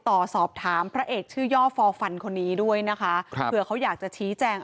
ต่อสอบถามพระเอกชื่อย่อฟอร์ฟันคนนี้ด้วยนะคะครับเผื่อเขาอยากจะชี้แจง